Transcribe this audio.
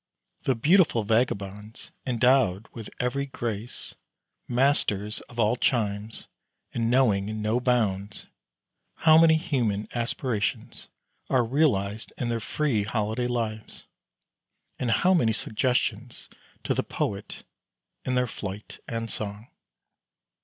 The beautiful vagabonds, endowed with every grace, masters of all chimes, and knowing no bounds how many human aspirations are realized in their free, holiday lives, and how many suggestions to the poet in their flight and song!